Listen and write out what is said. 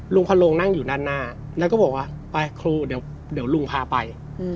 พระโลงนั่งอยู่ด้านหน้าแล้วก็บอกว่าไปครูเดี๋ยวลุงพาไป